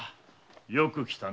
よく来たな。